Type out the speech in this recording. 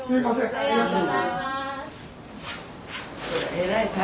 ありがとうございます。